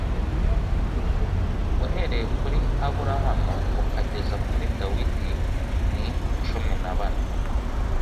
uhereye kuri Aburahamu ukageza kuri Dawidi ni cumi na bane